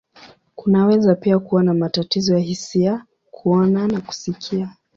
Kunaweza pia kuwa na matatizo ya hisia, kuona, na kusikia.